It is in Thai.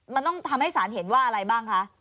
มันต้องทำให้สารเห็นว่าอะไรบ้างคะ